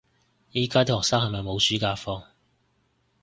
而家啲學生係咪冇暑假放